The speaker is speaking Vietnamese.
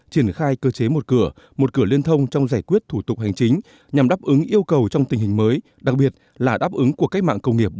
triển khai cơ chế một cửa một cửa liên thông trong giải quyết thủ tục hành chính nhằm đáp ứng yêu cầu trong tình hình mới đặc biệt là đáp ứng của cách mạng công nghiệp bốn